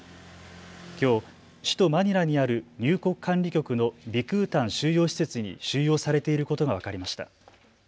きょう首都マニラにある入国管理局のビクータン収容施設に収容されていることが分かりました。